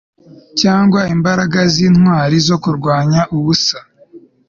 Cyangwa imbaraga zintwari zo kurwanya ubusa